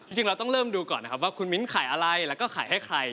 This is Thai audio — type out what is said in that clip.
จริงเราต้องเริ่มดูก่อนนะครับว่าคุณมิ้นขายอะไรแล้วก็ขายให้ใคร